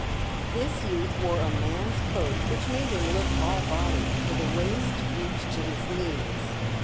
This youth wore a man's coat, which made him look all body, for the waist reached to his knees.